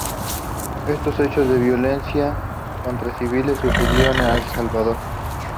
Estos hechos de violencia contra civiles sacudieron a El Salvador.